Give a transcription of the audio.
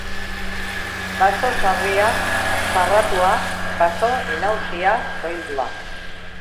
Baso sarria, zarratua. Baso inausia, soildua.